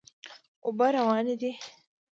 اوبه روانې دي.